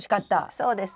そうです。